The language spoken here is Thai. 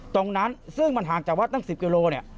ตรงนั้นซึ่งมันห่างจากวัดตั้ง๑๐กิโลเนี่ย